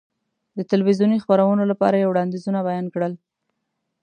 د تلویزیوني خپرونو لپاره یې وړاندیزونه بیان کړل.